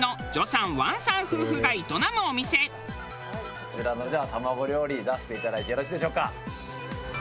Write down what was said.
こちらのじゃあ卵料理出していただいてよろしいでしょうか？